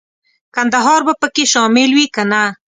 کندهار به پکې شامل وي کنه.